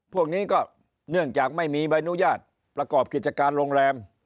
พวกนี้ก็เนื่องจากไม่มีใบอนุญาตประกอบกิจการโรงแรม